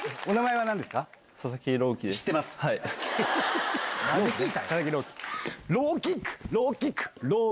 ⁉はい。